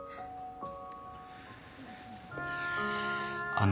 あの。